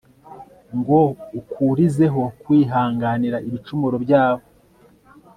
ngo ukurizeho kwihanganira ibicumuro byabo